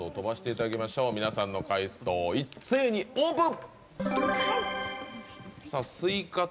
皆さんの解答を一斉にオープン。